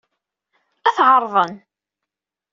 Ad t-ɛerḍen.